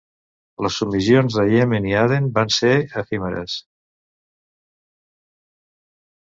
Les submissions de Iemen i Aden van ser efímeres.